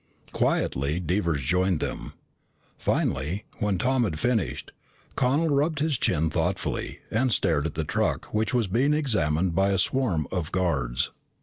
Quietly Devers joined them. Finally, when Tom had finished, Connel rubbed his chin thoughtfully and stared at the truck which was being examined by a swarm of guards.